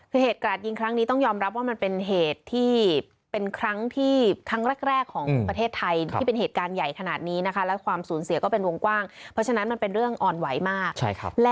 เพื่อให้ตรงนี้ถูกรู้ว่ามันเป็นเหตุการณ์ใหญ่ขนาดนี้และสูญเสียเป็นห่วงกว้างเพราะฉะนั้นมันเป็นเรื่องอ่อนไหวมาก